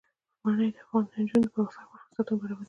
منی د افغان نجونو د پرمختګ لپاره فرصتونه برابروي.